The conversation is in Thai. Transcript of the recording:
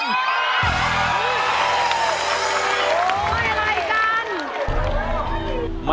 ไม่อะไรจัน